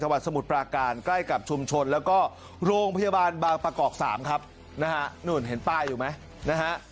วัดสมุทรปราการใกล้กับชุมชนแล้วก็โรงพยาบาลบางประกอบสามครับนะฮะนู่นเห็นป้ายอยู่ไหมนะฮะ